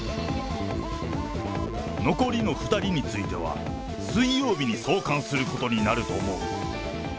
残りの２人については、水曜日に送還することになると思う。